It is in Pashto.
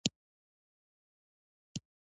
صحي شرایط به هم هلته ډېر خراب وو.